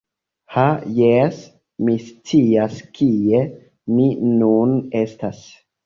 Ha, jes! Mi scias kie mi nun estas.